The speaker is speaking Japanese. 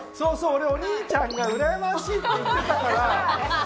俺お兄ちゃんがうらやましいって言ってたから。